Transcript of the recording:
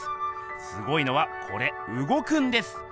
すごいのはこれうごくんです！